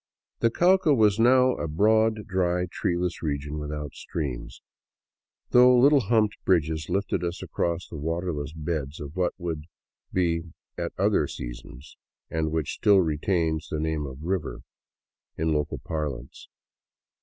The Cauca was now a broad, dry, treeless region without streams, though little humped bridges lifted us across the waterless beds of what would be such at other seasons, and which still retained the name of " river " in local parlance.